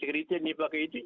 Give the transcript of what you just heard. kriteria ini pakai itu